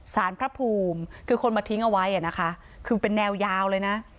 สารพระภูมิคือคนมาทิ้งเอาไว้นะคะคือเป็นแนวยาวเลยนะ